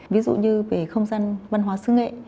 ví dụ như về không gian văn hóa xứ nghệ